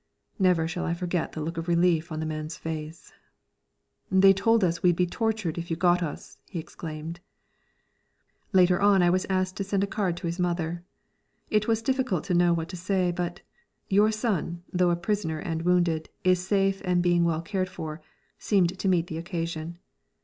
Never shall I forget the look of relief on the man's face. "They told us we'd be tortured if you got us!" he exclaimed. Later on I was asked to send a card to his mother. It was difficult to know what to say, but "Your son, though a prisoner and wounded, is safe and being well cared for," seemed to meet the occasion.